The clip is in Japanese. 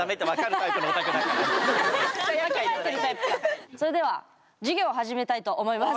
ちゃんとそれでは授業を始めたいと思います。